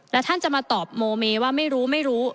แล้วท่านจะมาตอบโมเมว่าไม่รู้ไม่รู้